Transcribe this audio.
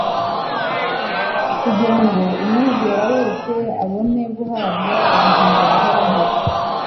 kugira ngo umwizera wese abone guhabwa ubugingo buhoraho."